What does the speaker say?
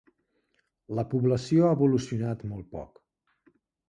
La població ha evolucionat molt poc.